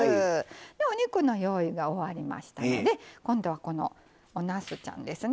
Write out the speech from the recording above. お肉の用意が終わりましたので今度は、おなすちゃんですね。